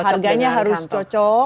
iya harganya harus cocok